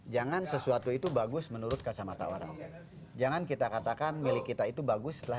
jangan sesuatu itu bagus menurut kacamata orang jangan kita katakan milik kita itu bagus setelah